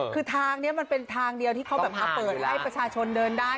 คือทางนี้มันเป็นทางเดียวที่เขาแบบมาเปิดให้ประชาชนเดินได้